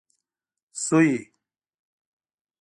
سويي